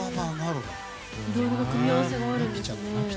いろいろな組み合わせがあるんですね。